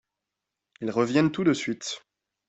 Ils reviennent tout de suite.